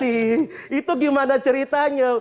nih itu gimana ceritanya